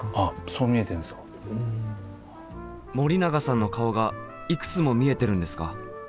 森永さんの顔がいくつも見えてるんですか？